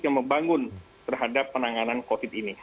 yang membangun terhadap penanganan covid ini